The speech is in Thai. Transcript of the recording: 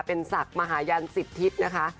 เป็นสักมหายันศิษย์นะคะ